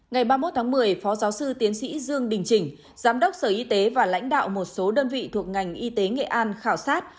ngày ba mươi một tháng một mươi phó giáo sư tiến sĩ dương đình chỉnh giám đốc sở y tế và lãnh đạo một số đơn vị thuộc ngành y tế nghệ an khảo sát